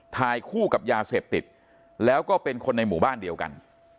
ถ่ายคู่กับยาเสพติดแล้วก็เป็นคนในหมู่บ้านเดียวกัน